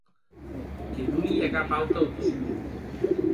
Que non i a cap auta opcion.